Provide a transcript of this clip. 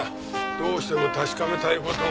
どうしても確かめたい事がある。